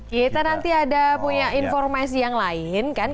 kita nanti ada punya informasi yang lain kan